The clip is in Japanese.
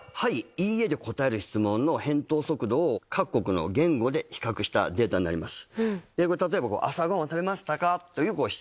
「いいえ」で答える質問の返答速度を各国の言語で比較したデータになります。